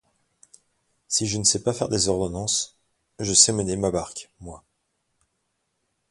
Si je ne sais pas faire des ordonnances, je sais mener ma barque, moi !